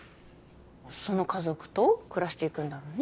その家族と暮らしていくんだろうね